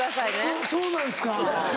そそうなんすか。